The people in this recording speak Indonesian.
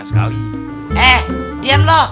eh diam lo